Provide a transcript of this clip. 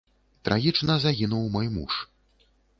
Трагічна загінуў мой муж.